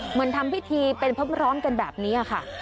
เหมือนทำพิธีเป็นพร้อมกันแบบนี้ค่ะ